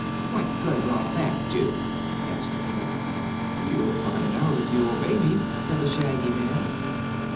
"What good will that do?" asked the cat. "You'll find out, if you obey me," said the Shaggy Man.